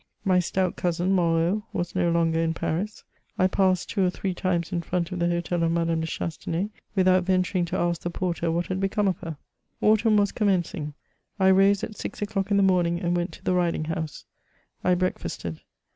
My stout cousin, Moreau, was no longer in Paris. I passed two or three times in front of the hotel of Madame de Chastenay, without venturing to ask the porter what had become of her. Autumn was commencing. I rose at six o'clock in the morning and went to the riding house. I breakfasted.